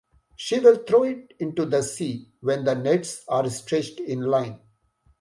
She will throw it into the sea when the nets are stretched in line.